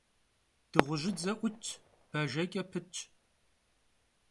Dığujıdze 'Utş, bajjeç'e pıtş.